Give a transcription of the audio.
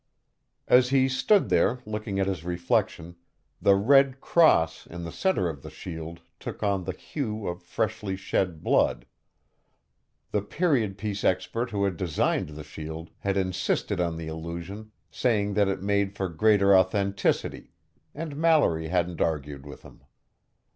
As he stood there looking at his reflection, the red cross in the center of the shield took on the hue of freshly shed blood. The period piece expert who had designed the shield had insisted on the illusion, saying that it made for greater authenticity, and Mallory hadn't argued with him.